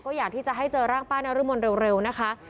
ก็อยากที่จะให้เจอร่างป้านรมนเร็วนะคะ